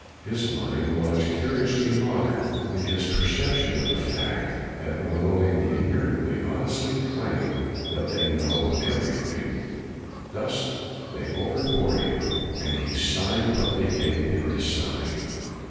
His mind was curiously modern in his perception of the fact that only the ignorant may honestly claim that they know everything. Thus they overbore him, and he signed what they gave him to sign.